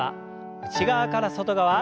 内側から外側。